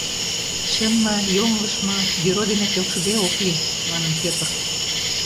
Чын ма, йоҥылыш ма, бюро дене келшыде ок лий, — манын Пӧтыр.